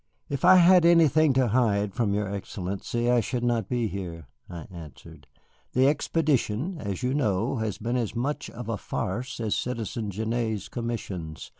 "If I had anything to hide from your Excellency, I should not be here," I answered. "The expedition, as you know, has been as much of a farce as Citizen Genêt's commissions.